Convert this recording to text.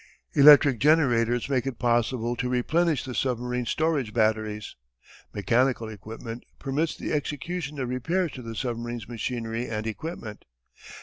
Electric generators make it possible to replenish the submarine storage batteries. Mechanical equipment permits the execution of repairs to the submarine's machinery and equipment.